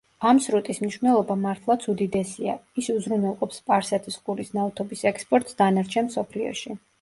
ამ სრუტის მნიშვნელობა მართლაც უდიდესია, ის უზრუნველყოფს სპარსეთის ყურის ნავთობის ექსპორტს დანარჩენ მსოფლიოში.